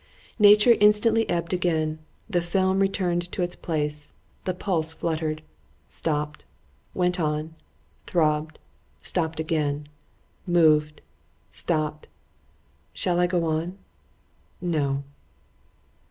—— Nature instantly ebb'd again,—the film returned to its place,——the pulse fluttered——stopp'd——went on——throbb'd———stopp'd again——moved——stopp'd——shall I go on?——No.